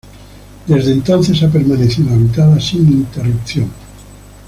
Desde entonces ha permanecido habitada sin interrupción.